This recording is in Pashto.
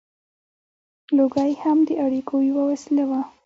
• لوګی هم د اړیکو یوه وسیله وه.